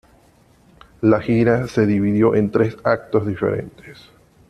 La gira se dividió en tres actos diferentes.